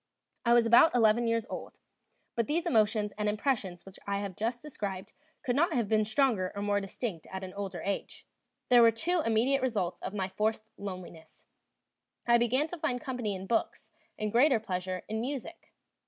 I was now about eleven years old, but these emotions and impressions which I have just described could not have been stronger or more distinct at an older age. There were two immediate results of my forced loneliness: I began to find company in books, and greater pleasure in music.